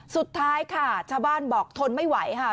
สุดท้ายค่ะชาวบ้านบอกทนไม่ไหวค่ะ